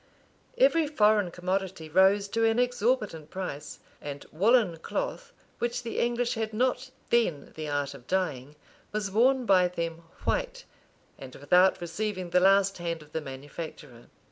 Every foreign commodity rose to an exorbitant price, and woollen cloth, which the English had not then the art of dyeing, was worn by them white, and without receiving the last hand of the manufacturer.